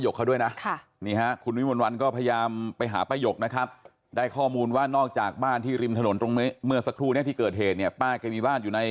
คุยไม่รู้เรื่องก็ช่างมันปล่อยมันเรื่องมัน